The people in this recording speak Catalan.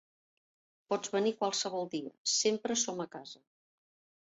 Pots venir qualsevol dia: sempre som a casa.